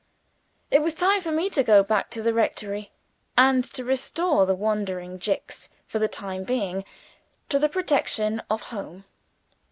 It was time for me to go back to the rectory, and to restore the wandering Jicks, for the time being, to the protection of home.